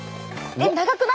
長くない！？